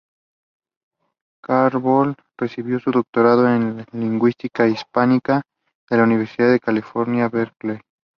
Carvalho recibió su doctorado en lingüística hispánica de la Universidad de California, Berkeley.